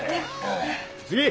次！